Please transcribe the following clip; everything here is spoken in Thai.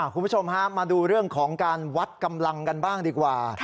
คุณผู้ชมฮะมาดูเรื่องของการวัดกำลังกันบ้างดีกว่า